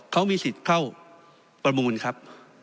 เขามีสิทธิ์เข้าประมูลครับ